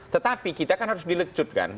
tetapi kita kan harus dilecut kan